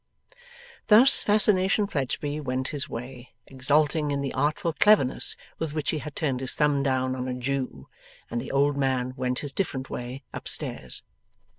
Thus, Fascination Fledgeby went his way, exulting in the artful cleverness with which he had turned his thumb down on a Jew, and the old man went his different way up stairs.